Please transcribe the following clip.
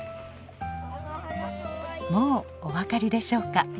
もうお分かりでしょうか。